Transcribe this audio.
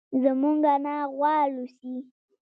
زموږ انا غوا لوسي.